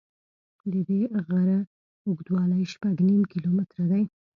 د دې غره اوږدوالی شپږ نیم کیلومتره دی.